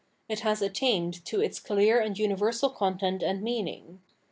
It has attained to its clear and universal content and meaning.